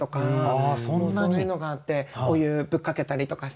もうそういうのがあってお湯ぶっかけたりとかして。